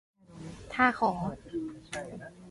ถ้าขอ